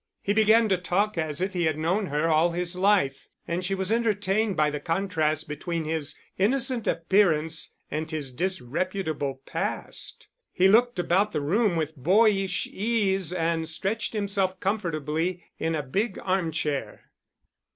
He began to talk as if he had known her all his life, and she was entertained by the contrast between his innocent appearance and his disreputable past. He looked about the room with boyish ease and stretched himself comfortably in a big arm chair.